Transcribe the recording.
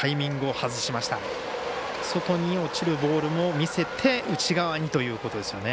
外に落ちるボールを見せて内側にということですよね。